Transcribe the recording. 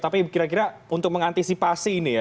tapi kira kira untuk mengantisipasi ini ya